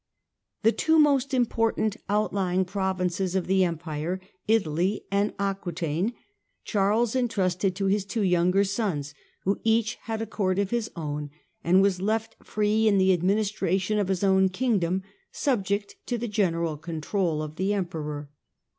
The two most important outlying provinces of the Empire — Italy and Aquetaine — Charles entrusted to his ' two younger sons, who each had a court of his own and was left free in the administration of his own kingdom, subject to the general control of the Emperor.